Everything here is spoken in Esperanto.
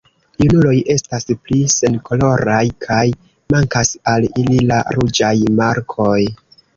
Junuloj estas pli senkoloraj kaj mankas al ili la ruĝaj markoj.